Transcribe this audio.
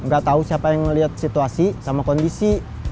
gak tau siapa yang ngeliat situasi sama kondisi